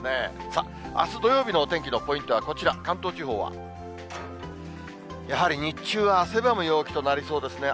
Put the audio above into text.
さあ、あす土曜日のお天気のポイントはこちら、関東地方は、やはり日中は汗ばむ陽気となりそうですね。